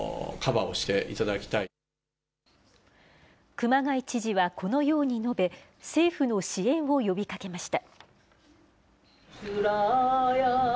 熊谷知事はこのように述べ、政府の支援を呼びかけました。